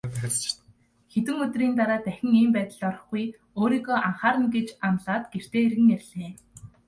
Хэдэн өдрийн дараа дахин ийм байдалд орохгүй, өөрийгөө анхаарна гэж амлаад гэртээ эргэн ирлээ.